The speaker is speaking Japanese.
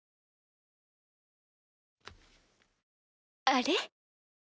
あれ？